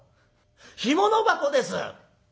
干物箱です！」。